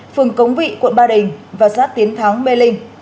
phường cống vị quận ba đình và xã tiến thắng mê linh